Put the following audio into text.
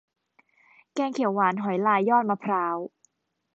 แกงเขียวหวานหอยลายยอดมะพร้าว